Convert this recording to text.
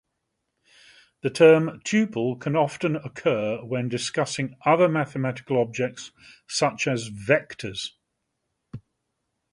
The term "tuple" can often occur when discussing other mathematical objects, such as vectors.